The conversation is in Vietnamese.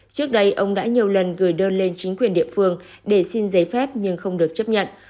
trước đây ông đã nhiều lần gửi đơn lên chính quyền địa phương để xin giấy phép nhưng không được chấp nhận